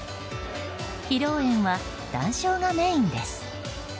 披露宴は談笑がメインです。